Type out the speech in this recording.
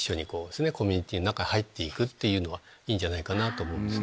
コミュニティーの中へ入っていくのはいいんじゃないかと思うんです。